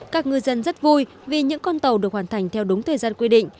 các ngư dân rất vui vì những con tàu được hoàn thành theo đúng thời gian quy định